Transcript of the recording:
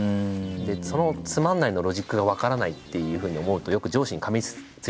でそのつまんないのロジックが分からないっていうふうに思うとよく上司にかみついてたんですよ。